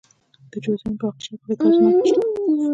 د جوزجان په اقچه کې د ګازو نښې شته.